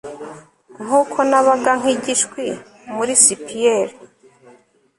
Nkuko nabaga nkigishwi muri spiers